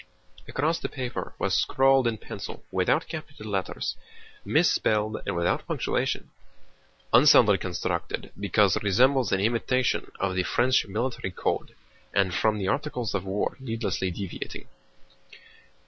Across the paper was scrawled in pencil, without capital letters, misspelled, and without punctuation: "Unsoundly constructed because resembles an imitation of the French military code and from the Articles of War needlessly deviating."